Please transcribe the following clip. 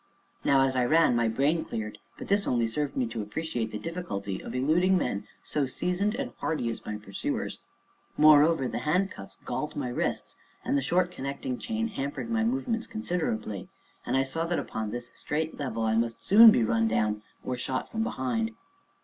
Now, as I ran, my brain cleared, but this only served me to appreciate the difficulty of eluding men so seasoned and hardy as my pursuers; moreover, the handcuffs galled my wrists, and the short connecting chain hampered my movements considerably, and I saw that, upon this straight level, I must soon be run down, or shot from behind.